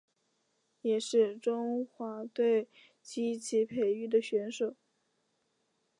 也是中华队积极培育的选手。